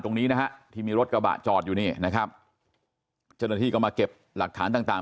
ตรงนี้นะฮะที่มีรถกระบะจอดอยู่นี่นะครับเจ้าหน้าที่ก็มาเก็บหลักฐานต่างต่าง